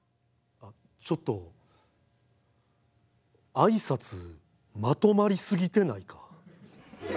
あっちょっと挨拶まとまり過ぎてないか？